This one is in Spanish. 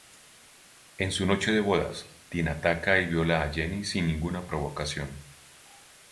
En su noche de bodas, Tim ataca y viola a Jenny sin ninguna provocación.